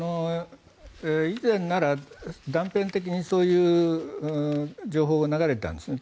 以前なら断片的にそういう情報が流れたんですね。